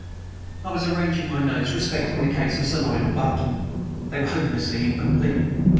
I was arranging my notes respecting the case of Sir Lionel Barton. They were hopelessly incomplete.